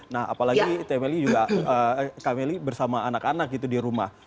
nah apalagi kameli bersama anak anak gitu di rumah